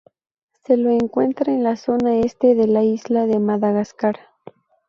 Se lo encuentra en la zona este de la isla de Madagascar.